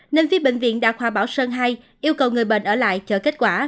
nên phía bệnh viện đà khoa bảo sơn hai yêu cầu người bệnh ở lại chờ kết quả